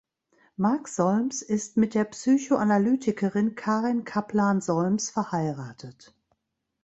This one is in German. Mark Solms ist mit der Psychoanalytikerin Karen Kaplan-Solms verheiratet.